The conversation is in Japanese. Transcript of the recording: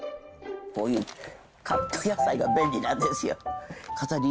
こういうカット野菜が便利なんですよ。